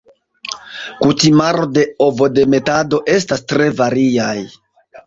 Kutimaro de ovodemetado estas tre variaj.